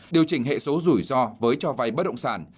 điều chỉnh hệ số rủi ro với cho vay bất động sản